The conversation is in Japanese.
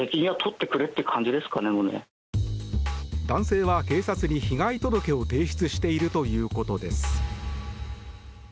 男性は警察に被害届を提出しているということです。